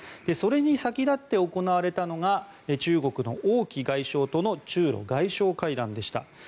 それに先立って行われたのが中国の王毅外相との中ロ外相会談でした。